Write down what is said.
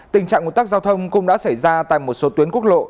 tình trạng ủn tắc giao thông cũng đã xảy ra tại một số tuyến quốc lộ